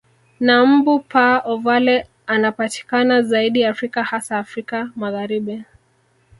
Na mbu P ovale anapatikana zaidi Afrika hasa Afrika Magharibi